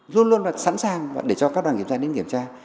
luôn luôn là sẵn sàng để cho các đoàn kiểm tra đến kiểm tra